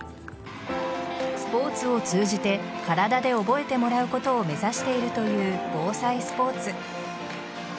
スポーツを通じて体で覚えてもらうことを目指しているという防災スポーツ。